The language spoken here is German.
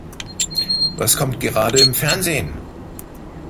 Was kommt gerade im Fernsehen?